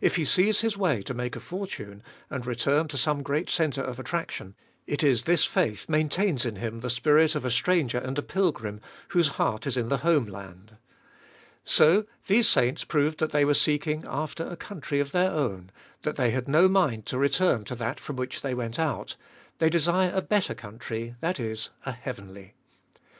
If he sees his way to make a fortune, and return to some great centre of attraction, it is this faith maintains in him the spirit of a stranger and a pilgrim, whose heart is in the home land. So these saints proved that they were seeking after a country of their own, that they had no mind to return to that from which they went out, they desire a better country, that is, a heavenly.